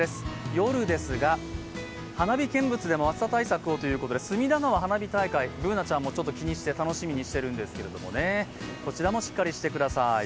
夜ですが、花火見物でも暑さ対策をということで隅田川花火大会Ｂｏｏｎａちゃんも気にして楽しみにしているんですけどねこちらもしっかりしてください。